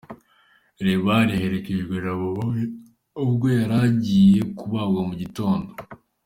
Neymar yaherekejwe na Mama we ubwo yari agiye kubagwa mu gitondo.